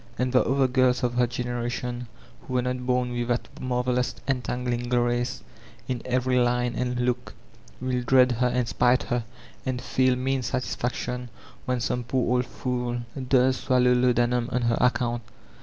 And the other girls of her generation, who were not bom with that marvelous entangling grace in every line and look, will dread her and spite her, and feel mean satisfaction when some poor fool does swallow laudanum on her account.